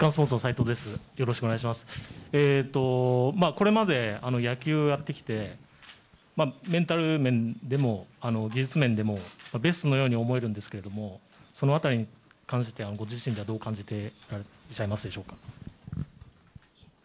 これまで野球をやってきてメンタル面でも技術面でもベストのように思えるんですがその辺りに関してご自身はどう感じていますか？